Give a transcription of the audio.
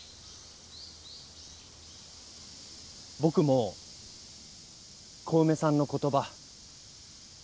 僕も小梅さんの言葉。